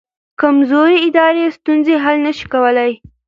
کمزوري ادارې ستونزې حل نه شي کولی.